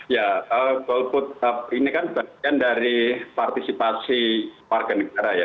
ya golput ini kan bagian dari partisipasi warga negara ya